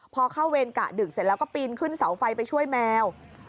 พอเข้าเวรกะดึกเสร็จแล้วก็ปีนขึ้นเสาไฟไปช่วยแมว